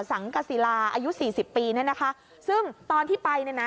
สังกสิราอายุ๔๐ปีซึ่งตอนที่ไป